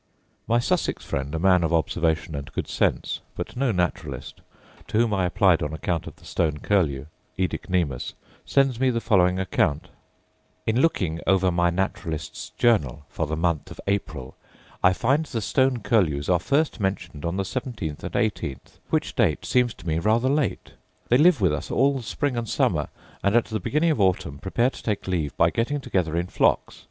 My Sussex friend, a man of observation and good sense, but no naturalist, to whom I applied on account of the stone curlew, oedicnemus, sends me the following account: 'In looking over my Naturalist's Journal for the month of April, I find the stone curlews are first mentioned on the seventeenth and eighteenth, which date seems to me rather late. They live with us all the spring and summer and at the beginning of autumn prepare to take leave by getting together in flocks.